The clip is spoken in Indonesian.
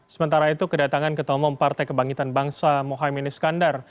sementara itu kedatangan ketua umum partai kebangkitan bangsa mohaimin iskandar